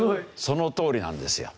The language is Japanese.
そのとおりなんですよ。